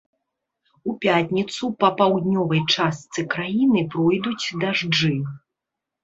У пятніцу па паўднёвай частцы краіны пройдуць дажджы.